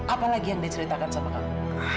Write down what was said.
apa lagi yang diceritakan sama kamu